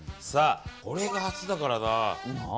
これが初だからな。